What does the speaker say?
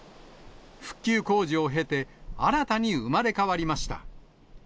復旧工事を経て、新たに生まれ変わりました。